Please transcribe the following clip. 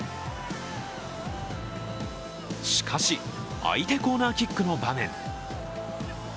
しかし、相手コーナーキックの場面